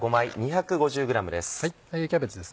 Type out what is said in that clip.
キャベツです